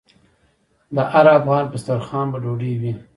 د هر افغان په دسترخان به ډوډۍ وي؟